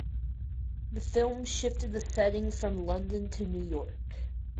The film shifted the setting from London to New York.